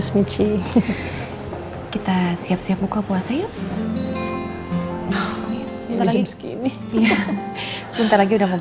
saya akan senang tadi